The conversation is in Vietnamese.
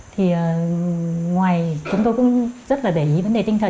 thì ngoài chúng tôi cũng rất là để ý vấn đề tinh thần